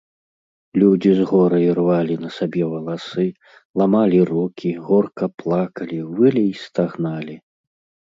Людзі з гора ірвалі на сабе валасы, ламалі рукі, горка плакалі, вылі і стагналі.